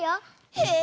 へえ！